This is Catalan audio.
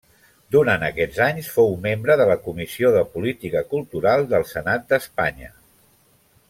Durant aquests anys fou Membre de la Comissió de Política Cultural del Senat d'Espanya.